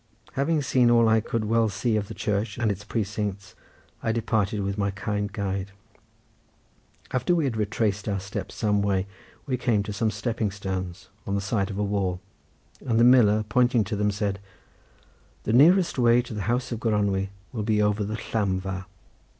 Having seen all I could well see of the church and its precincts I departed with my kind guide. After we had retraced our steps some way, we came to some stepping stones on the side of a wall, and the miller pointing to them said: "The nearest way to the house of Gronwy will be over the llamfa."